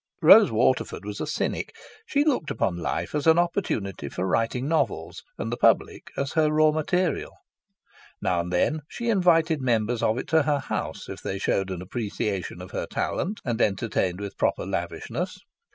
Rose Waterford was a cynic. She looked upon life as an opportunity for writing novels and the public as her raw material. Now and then she invited members of it to her house if they showed an appreciation of her talent and entertained with proper lavishness.